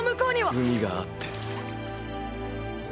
海があって。